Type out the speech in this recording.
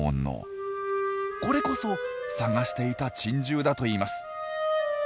これこそ探していた珍獣だといいます。